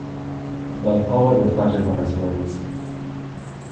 The poet reflected on his words.